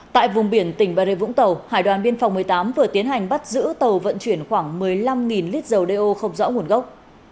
tại vùng biển tỉnh bà rê vũng tàu hải đoàn biên phòng một mươi tám vừa tiến hành bắt giữ tàu vận chuyển khoảng một mươi năm lít dầu đeo không rõ nguồn gốc